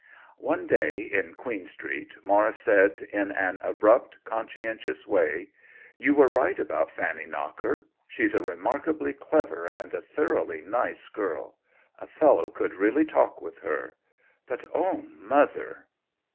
One day, in Queen Street, Maurice said, in an abrupt, conscientious way, " You were right about Fanny Knocker — she's a re markably clever and a thoroughly nice girl ; 36 THE WHEEL OF TIME a fellow can really talk with her. But oh, mother